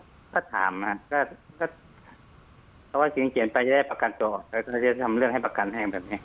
ถ้าถามก็ว่าสิ่งเกลียดไปจะได้ประกันตัวแต่ถ้าจะทำเรื่องให้ประกันแห้งแบบนี้